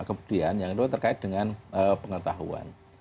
kemudian yang kedua terkait dengan pengetahuan